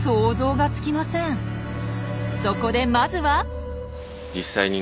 そこでまずは！